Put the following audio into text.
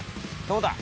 どうだ！？